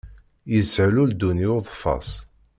Yeshel uldun i uḍfas.